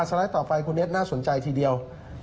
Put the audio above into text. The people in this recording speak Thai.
ไลด์ต่อไปคุณเอสน่าสนใจทีเดียว